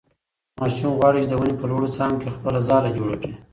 ماشوم غواړي چې د ونې په لوړو څانګو کې خپله ځاله جوړه کړي.